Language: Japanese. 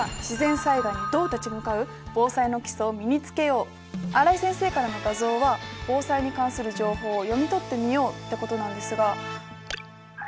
今回の特集は新井先生からの画像は「防災に関する情報を読み取ってみよう」ってことなんですが。